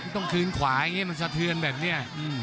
ต้องคืนขวาอย่างนี้มันสะเทือนแบบนี้